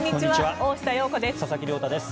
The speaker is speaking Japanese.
大下容子です。